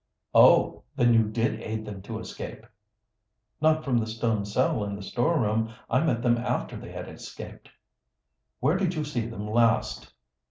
"Oh! Then you did aid them to escape?" "Not from the stone cell and the storeroom. I met them after they had escaped." "Where did you see them last?"